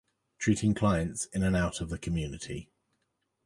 Treating clients in and out of the community.